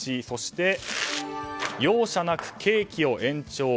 そして、容赦なく刑期を延長。